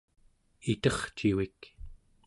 itercivik